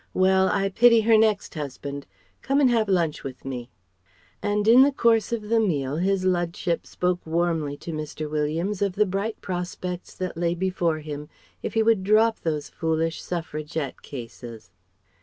Well! I pity her next husband. Come and have lunch with me." And in the course of the meal, His Ludship spoke warmly to Mr. Williams of the bright prospects that lay before him if he would drop those foolish Suffragette cases.